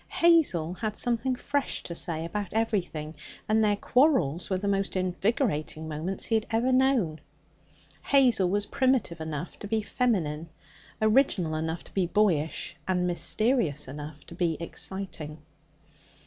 Hazel had something fresh to say about everything, and their quarrels were the most invigorating moments he had known. Hazel was primitive enough to be feminine, original enough to be boyish, and mysterious enough to be exciting.